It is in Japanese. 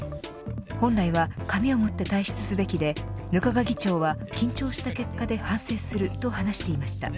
本来は紙を持って退出すべきで額賀議長は緊張した結果で反省すると話していました。